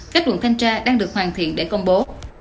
kết luận thanh tra đang được hoàn thiện để công bố